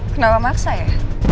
kenal sama aku saya